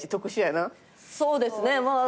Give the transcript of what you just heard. そうですね。